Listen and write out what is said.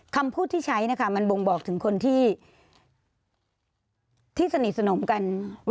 คำพูดที่ใช้นะคะมันบ่งบอกถึงคนที่สนิทสนมกัน